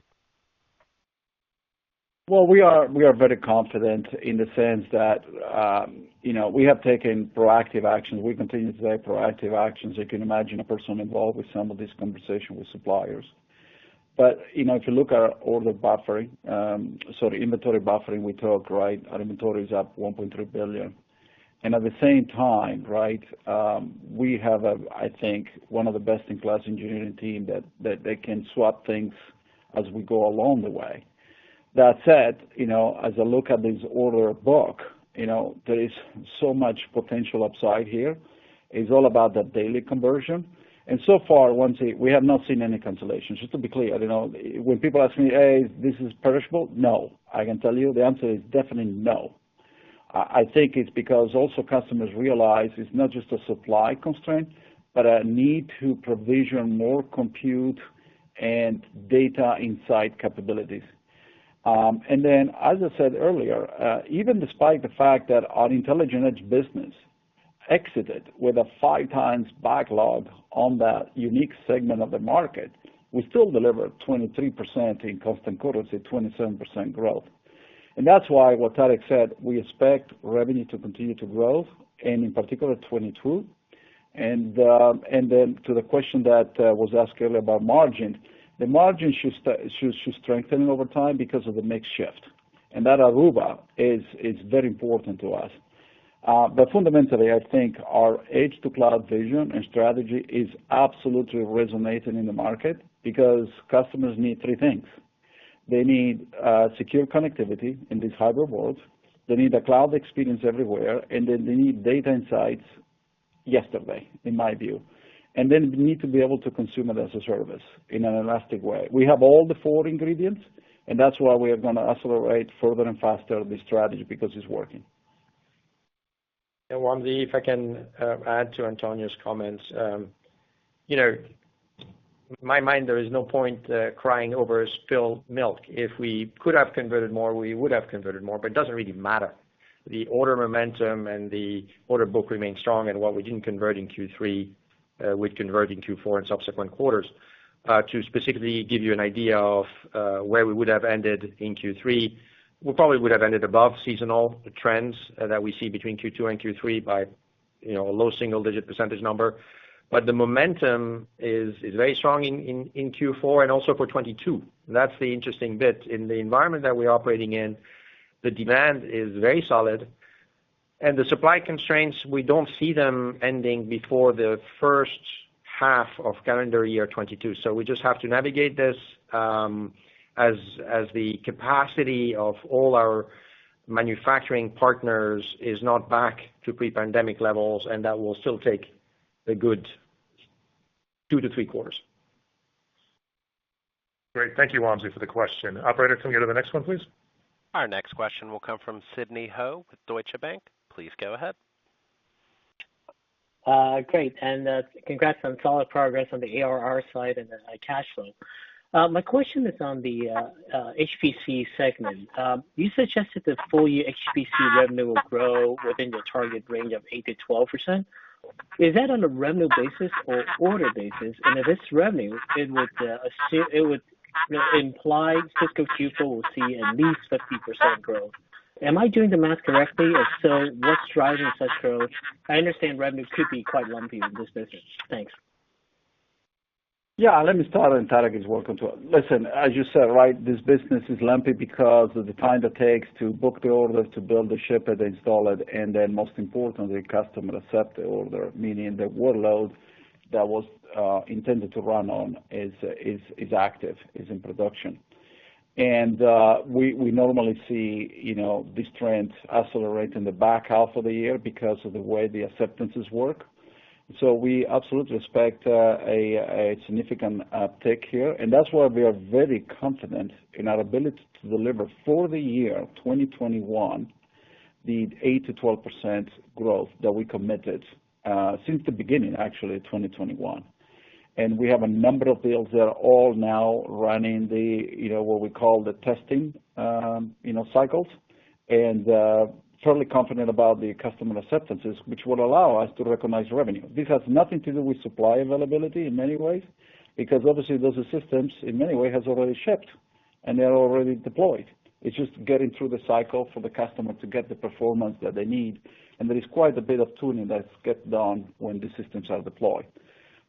Well, we are very confident in the sense that we have taken proactive actions. We continue to take proactive actions. You can imagine a person involved with some of this conversation with suppliers. If you look at our order buffering, sorry, inventory buffering, we talk, right? Our inventory is up $1.3 billion. At the same time, right, we have, I think, one of the best-in-class engineering team that they can swap things as we go along the way. That said, as I look at this order book, there is so much potential upside here. It's all about that daily conversion. So far, Wamsi, we have not seen any cancellations, just to be clear. When people ask me, "Hey, this is perishable?" No. I can tell you the answer is definitely no. I think it's because also customers realize it's not just a supply constraint, but a need to provision more compute and data insight capabilities. As I said earlier, even despite the fact that our Intelligent Edge business exited with a five times backlog on that unique segment of the market, we still delivered 23% in constant currency, 27% growth. That's why what Tarek said, we expect revenue to continue to grow, and in particular, 22. To the question that was asked earlier about margin, the margin should strengthen over time because of the mix shift. That Aruba is very important to us. Fundamentally, I think our edge-to-cloud vision and strategy is absolutely resonating in the market because customers need three things. They need secure connectivity in this hybrid world. They need a cloud experience everywhere, and then they need data insights. Yesterday, in my view. We need to be able to consume it as a service in an elastic way. We have all the four ingredients. That's why we are going to accelerate further and faster this strategy, because it's working. One thing, if I can add to Antonio's comments. In my mind, there is no point crying over spilled milk. If we could have converted more, we would have converted more, but it doesn't really matter. The order momentum and the order book remains strong, and what we didn't convert in Q3, we'd convert in Q4 and subsequent quarters. To specifically give you an idea of where we would have ended in Q3, we probably would have ended above seasonal trends that we see between Q2 and Q3 by a low single-digit percentage number. The momentum is very strong in Q4 and also for 2022. That's the interesting bit. In the environment that we're operating in, the demand is very solid. The supply constraints, we don't see them ending before the first half of calendar year 2022. We just have to navigate this as the capacity of all our manufacturing partners is not back to pre-pandemic levels, and that will still take a good two to three quarters. Great. Thank you, Wamsi, for the question. Operator, can we go to the next one, please? Our next question will come from Sidney Ho with Deutsche Bank. Please go ahead. Great. Congrats on solid progress on the ARR side and the high cash flow. My question is on the HPC segment. You suggested that full year HPC revenue will grow within the target range of 8%-12%. Is that on a revenue basis or order basis? If it's revenue, it would imply fiscal Q4 will see at least 50% growth. Am I doing the math correctly? If so, what's driving such growth? I understand revenues could be quite lumpy in this business. Thanks. Yeah, let me start, and Tarek is welcome to listen, as you said, this business is lumpy because of the time that takes to book the orders, to build the ship, and install it, and then most importantly, customer accept the order, meaning the workload that was intended to run on is active, is in production. We normally see these trends accelerate in the back half of the year because of the way the acceptances work. We absolutely expect a significant uptick here, and that's why we are very confident in our ability to deliver for the year 2021, the 8%-12% growth that we committed since the beginning, actually, of 2021. We have a number of deals that are all now running the what we call the testing cycles. Fairly confident about the customer acceptances, which will allow us to recognize revenue. This has nothing to do with supply availability in many ways, because obviously those systems, in many ways, have already shipped, and they're already deployed. It's just getting through the cycle for the customer to get the performance that they need. There is quite a bit of tuning that gets done when the systems are deployed.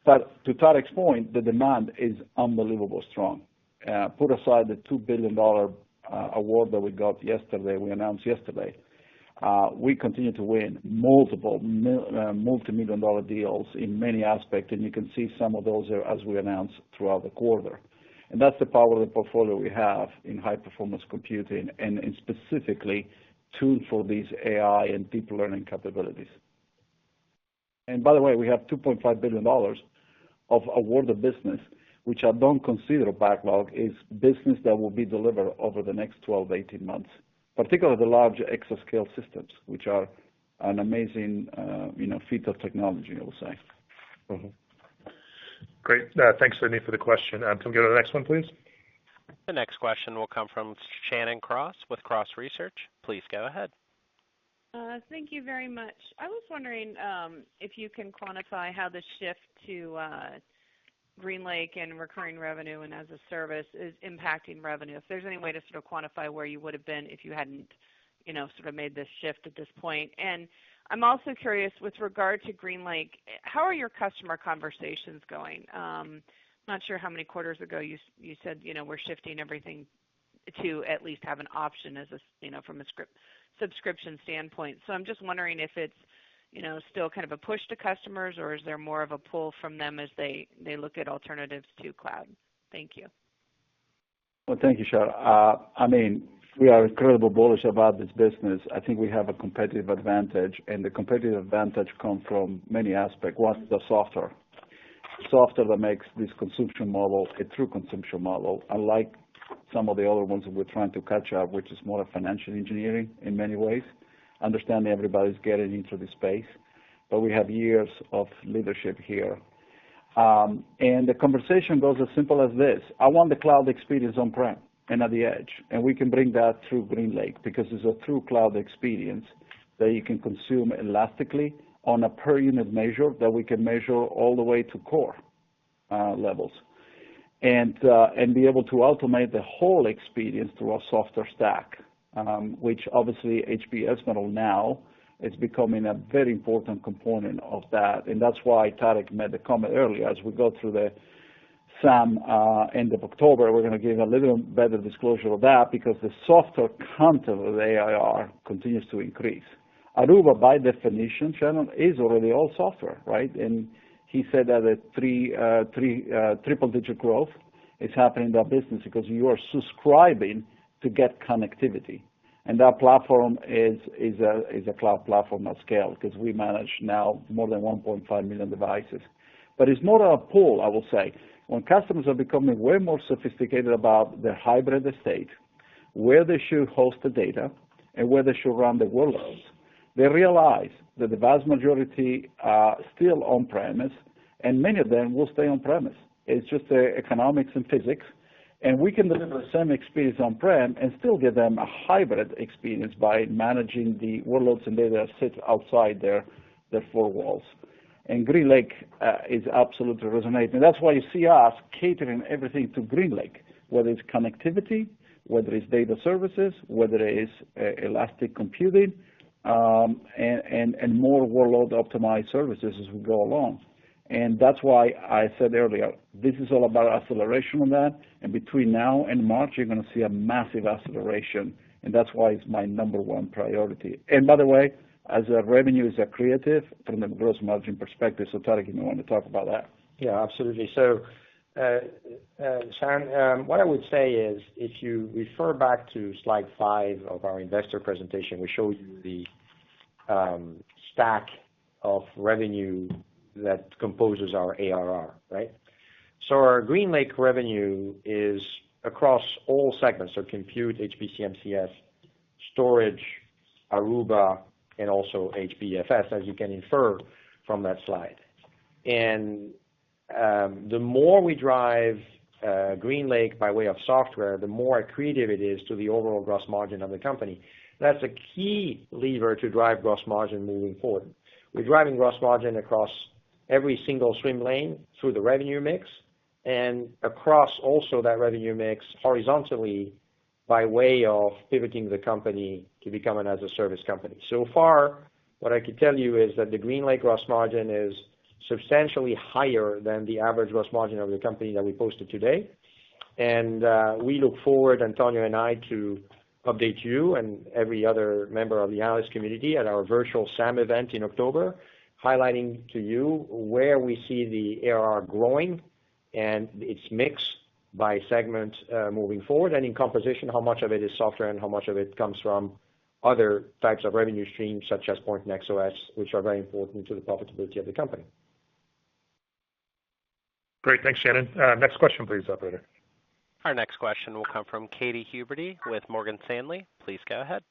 To Tarek's point, the demand is unbelievably strong. Put aside the $2 billion award that we got yesterday, we announced yesterday. We continue to win multiple multimillion-dollar deals in many aspects, and you can see some of those as we announce throughout the quarter. That's the power of the portfolio we have in high performance computing, and specifically tuned for these AI and deep learning capabilities. By the way, we have $2.5 billion of awarded business, which I don't consider a backlog, is business that will be delivered over the next 12-18 months. Particularly the large exoscale systems, which are an amazing feat of technology, I will say. Mm-hmm. Great. Thanks, Sidney, for the question. Can we go to the next one, please? The next question will come from Shannon Cross with Cross Research. Please go ahead. Thank you very much. I was wondering if you can quantify how the shift to HPE GreenLake and recurring revenue and as-a-service is impacting revenue. If there's any way to sort of quantify where you would've been if you hadn't made this shift at this point. I'm also curious, with regard to HPE GreenLake, how are your customer conversations going? I'm not sure how many quarters ago you said, "We're shifting everything to at least have an option from a subscription standpoint." I'm just wondering if it's still kind of a push to customers, or is there more of a pull from them as they look at alternatives to cloud? Thank you. Well, thank you, Shannon. We are incredibly bullish about this business. I think we have a competitive advantage, and the competitive advantage come from many aspect. One is the software. The software that makes this consumption model a true consumption model, unlike some of the other ones that we're trying to catch up, which is more financial engineering in many ways. I understand everybody's getting into the space, but we have years of leadership here. The conversation goes as simple as this: I want the cloud experience on-prem and at the edge. We can bring that through HPE GreenLake, because it's a true cloud experience that you can consume elastically on a per unit measure that we can measure all the way to core levels. Be able to automate the whole experience through our software stack, which obviously HPE Edgeline now is becoming a very important component of that. That's why Tarek made the comment earlier, as we go through the SAM end of October, we're going to give a little better disclosure of that because the software content of AIR continues to increase. Aruba, by definition, Shannon, is already all software, right? He said that a triple-digit growth is happening in that business because you are subscribing to get connectivity. Our platform is a cloud platform at scale, because we manage now more than 1.5 million devices. It's more of a pull, I will say. When customers are becoming way more sophisticated about their hybrid estate, where they should host the data, and where they should run their workloads, they realize that the vast majority are still on-premise, and many of them will stay on-premise. It's just economics and physics, and we can deliver the same experience on-prem and still give them a hybrid experience by managing the workloads and data that sits outside their four walls. GreenLake is absolutely resonating. That's why you see us catering everything to GreenLake, whether it's connectivity, whether it's data services, whether it is elastic computing, and more workload-optimized services as we go along. That's why I said earlier, this is all about acceleration of that. Between now and March, you're going to see a massive acceleration, and that's why it's my number one priority. By the way, as our revenues are creative from the gross margin perspective, so Tarek, you may want to talk about that. Absolutely. Shannon, what I would say is, if you refer back to slide five of our investor presentation, we showed you the stack of revenue that composes our ARR, right? Our GreenLake revenue is across all segments, Compute, HPC & MCS, Storage, Aruba, and also HPFS, as you can infer from that slide. The more we drive GreenLake by way of software, the more accretive it is to the overall gross margin of the company. That's a key lever to drive gross margin moving forward. We're driving gross margin across every single swim lane through the revenue mix, and across also that revenue mix horizontally by way of pivoting the company to become an as-a-service company. Far, what I could tell you is that the GreenLake gross margin is substantially higher than the average gross margin of the company that we posted today. We look forward, Antonio and I, to update you and every other member of the analyst community at our virtual SAM event in October, highlighting to you where we see the ARR growing and its mix by segment moving forward. In composition, how much of it is software and how much of it comes from other types of revenue streams, such as Pointnext OS, which are very important to the profitability of the company. Great. Thanks, Shannon. Next question, please, operator. Our next question will come from Katy Huberty with Morgan Stanley. Please go ahead.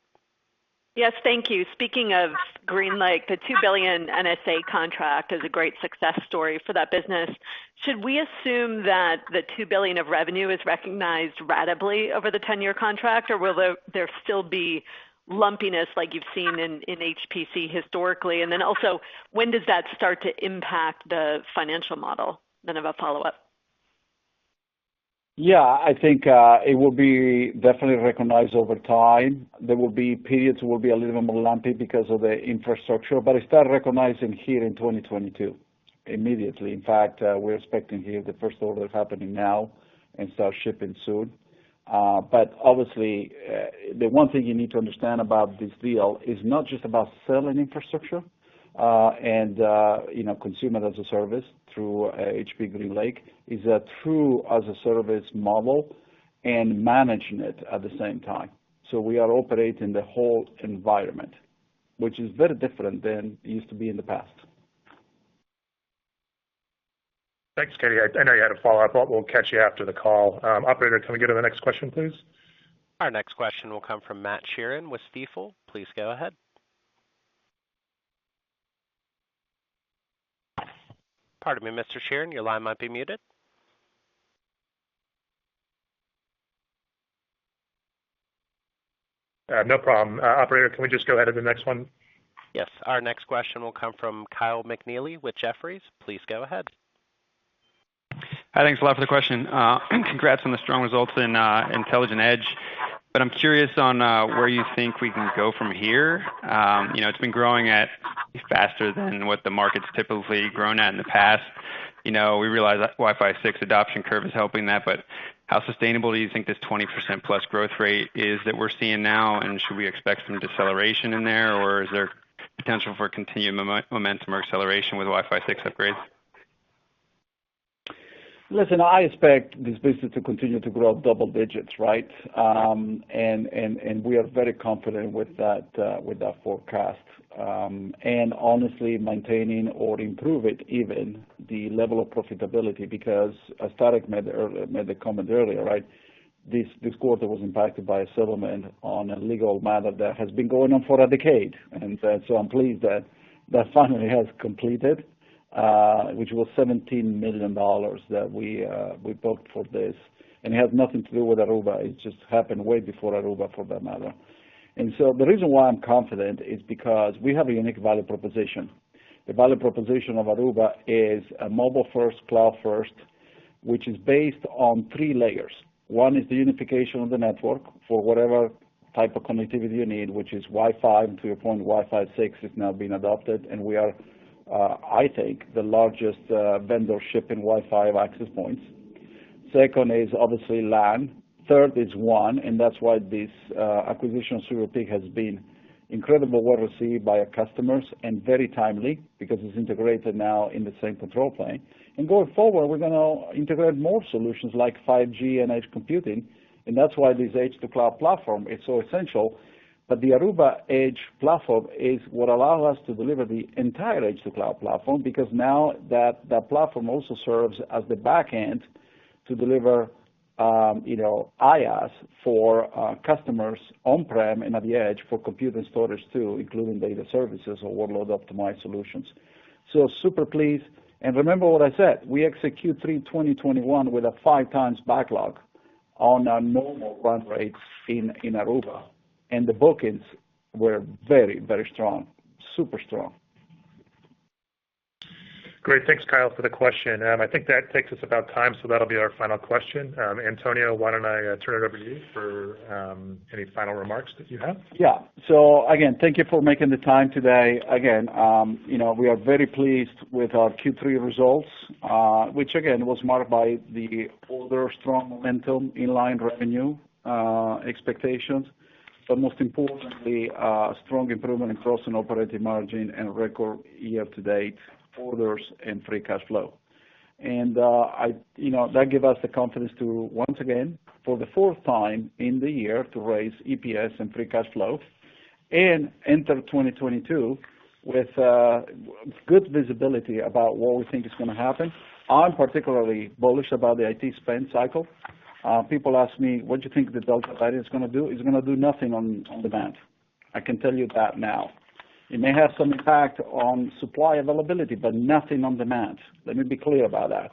Yes, thank you. Speaking of GreenLake, the $2 billion NSA contract is a great success story for that business. Should we assume that the $2 billion of revenue is recognized ratably over the 10-year contract, or will there still be lumpiness like you've seen in HPC historically? When does that start to impact the financial model? I have a follow-up. Yeah, I think it will be definitely recognized over time. There will be periods that will be a little more lumpy because of the infrastructure, but it start recognizing here in 2022, immediately. In fact, we're expecting here the first order happening now and start shipping soon. Obviously, the one thing you need to understand about this deal is not just about selling infrastructure, and consumer as a service through HPE GreenLake, is a true as-a-service model and managing it at the same time. We are operating the whole environment, which is very different than it used to be in the past. Thanks, Katy. I know you had a follow-up, but we'll catch you after the call. Operator, can we go to the next question, please? Our next question will come from Matt Sheerin with Stifel. Please go ahead. Pardon me, Mr. Sheerin, your line might be muted. No problem. Operator, can we just go ahead to the next one? Yes. Our next question will come from Kyle McNealy with Jefferies. Please go ahead. Hi, thanks a lot for the question. Congrats on the strong results in Intelligent Edge, but I'm curious on where you think we can go from here. It's been growing at faster than what the market's typically grown at in the past. We realize that Wi-Fi 6 adoption curve is helping that, but how sustainable do you think this 20%+ growth rate is that we're seeing now, and should we expect some deceleration in there, or is there potential for continued momentum or acceleration with Wi-Fi 6 upgrades? Listen, I expect this business to continue to grow double digits, right? We are very confident with that forecast. Honestly, maintaining or improve it even, the level of profitability. Because as Tarek made the comment earlier, this quarter was impacted by a settlement on a legal matter that has been going on for a decade. I'm pleased that that finally has completed, which was $17 million that we booked for this. It has nothing to do with Aruba. It just happened way before Aruba for that matter. The reason why I'm confident is because we have a unique value proposition. The value proposition of Aruba is a mobile-first, cloud first, which is based on three layers. One is the unification of the network for whatever type of connectivity you need, which is Wi-Fi. To your point, Wi-Fi 6 is now being adopted, and we are, I think, the largest vendor shipping Wi-Fi access points. Second is obviously LAN. Third is WAN, that's why this acquisition of Silver Peak has been incredibly well received by our customers and very timely because it's integrated now in the same control plane. Going forward, we're going to integrate more solutions like 5G and edge computing, and that's why this edge-to-cloud platform is so essential. The Aruba Edge Platform is what allows us to deliver the entire edge-to-cloud platform because now that platform also serves as the back end to deliver IaaS for customers on-prem and at the edge for compute and storage too, including data services or workload-optimized solutions. Super pleased. Remember what I said, we execute Q3 2021 with a 5x backlog on our normal run rate in Aruba, the bookings were very strong. Super strong. Great. Thanks, Kyle, for the question. I think that takes us about time, so that will be our final question. Antonio, why don't I turn it over to you for any final remarks that you have? Thank you for making the time today. We are very pleased with our Q3 results, which again, was marked by the order strong momentum, in-line revenue expectations, but most importantly, strong improvement in gross and operating margin and record year-to-date orders and free cash flow. That gave us the confidence to, once again, for the fourth time in the year, to raise EPS and free cash flow and enter 2022 with good visibility about what we think is going to happen. I'm particularly bullish about the IT spend cycle. People ask me, "What do you think the Delta variant is going to do?" It's going to do nothing on demand. I can tell you that now. It may have some impact on supply availability, but nothing on demand. Let me be clear about that.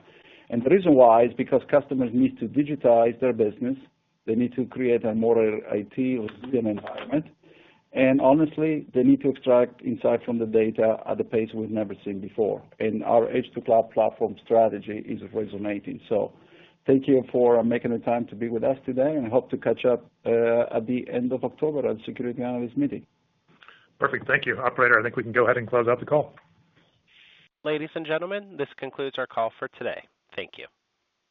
The reason why is because customers need to digitize their business. They need to create a more IT resilient environment. Honestly, they need to extract insight from the data at a pace we've never seen before, and our edge-to-cloud platform strategy is resonating. Thank you for making the time to be with us today, and I hope to catch up at the end of October at Security Analyst Meeting. Perfect. Thank you. Operator, I think we can go ahead and close out the call. Ladies and gentlemen, this concludes our call for today. Thank you.